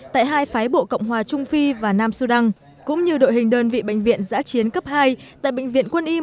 tại hai phái bộ cộng hòa trung phi và nam sudan cũng như đội hình đơn vị bệnh viện giã chiến cấp hai tại bệnh viện quân y một trăm bảy mươi năm